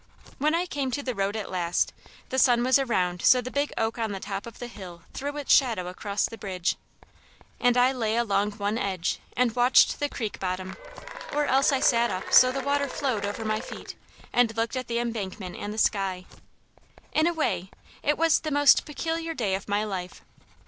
When I came to the road at last, the sun was around so the big oak on the top of the hill threw its shadow across the bridge, and I lay along one edge and watched the creek bottom, or else I sat up so the water flowed over my feet, and looked at the embankment and the sky. In a way, it was the most peculiar day of my life.